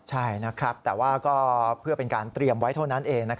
ใช่นะครับแต่ว่าก็เพื่อเป็นการเตรียมไว้เท่านั้นเอง